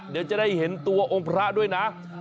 เดี๋ยวจะได้เห็นตัวองค์พระด้วยนะ